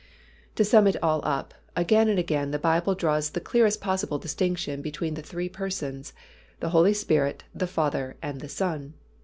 To sum it all up, again and again the Bible draws the clearest possible distinction between the three Persons, the Holy Spirit, the Father and the Son.